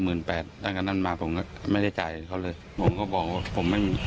แปดตั้งแต่นั้นมาผมก็ไม่ได้จ่ายเขาเลยผมก็บอกว่าผมไม่มี